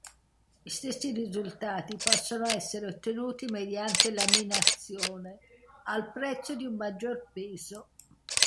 Gli stessi risultati possono essere ottenuti mediante laminazione, al prezzo di un maggior peso.